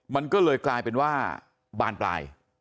มันก็เลยกลายเป็นว่าบานปลาย